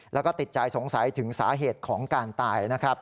แล้วก็ติดใจสงสัยถึงสาเหตุของการตายนะครับ